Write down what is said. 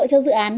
cho dự án